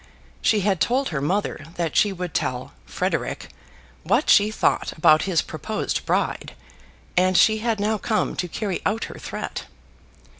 She had told her mother that she would tell "Frederic" what she thought about his proposed bride, and she had now come to carry out her threat.